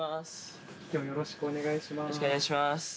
よろしくお願いします。